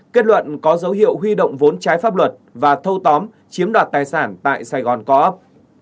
kết luận có dấu hiệu huy động vốn trái pháp luật và thâu tóm chiếm đoạt tài sản tại sài gòn co op